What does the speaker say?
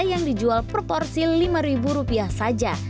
yang dijual proporsi rp lima saja